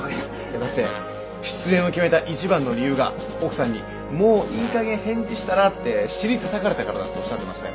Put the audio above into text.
だって出演を決めた一番の理由が奥さんに「もういいかげん返事したら？」って尻たたかれたからだっておっしゃってましたよ。